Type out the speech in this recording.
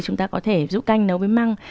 chúng ta có thể giúp canh nấu với măng